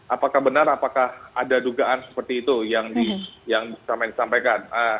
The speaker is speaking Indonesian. apakah benar apakah ada dugaan seperti itu yang disampaikan